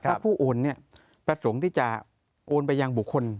ถ้าผู้โอนประสงค์ที่จะโอนไปยังบุคคล